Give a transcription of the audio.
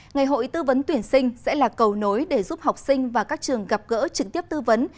ngày hội tư vấn tuyển sinh sẽ là cầu nối để giúp học sinh và các trường gặp gỡ trực tiếp tư vấn